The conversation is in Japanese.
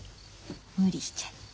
無理しちゃって。